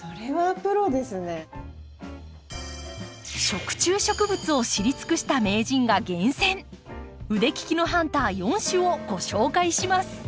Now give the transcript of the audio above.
食虫植物を知り尽くした名人が厳選腕利きのハンター４種をご紹介します。